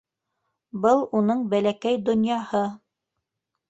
Был уның бәләкәй донъяһы.